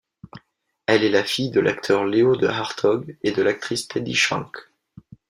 Elle est la fille de l'acteur Leo de Hartogh et de l'actrice Teddy Schaank.